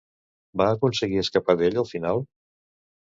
Va aconseguir escapar d'ell al final?